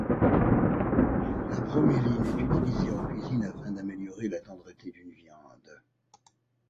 La broméline est utilisée en cuisine afin d'améliorer la tendreté d'une viande.